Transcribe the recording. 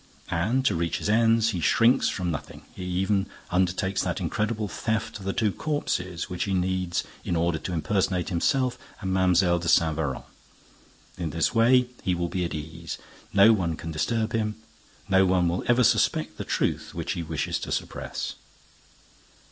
And, to reach his ends, he shrinks from nothing, he even undertakes that incredible theft of the two corpses which he needs in order to impersonate himself and Mlle. de Saint Véran. In this way, he will be at ease. No one can disturb him. No one will ever suspect the truth which he wishes to suppress.